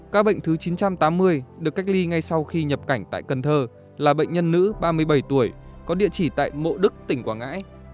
các bệnh thứ chín trăm tám mươi được cách ly ngay sau khi nhập cảnh tại cần thơ là bệnh nhân nữ ba mươi bảy tuổi có địa chỉ tại mộ đức tỉnh quảng ngãi